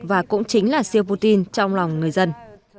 và cũng chính là siêu putin trong lòng người dân